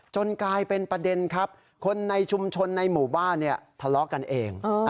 กลายเป็นประเด็นครับคนในชุมชนในหมู่บ้านเนี่ยทะเลาะกันเอง